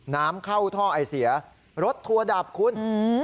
น้ำเข้าท่อไอเสียรถทัวร์ดับคุณอืม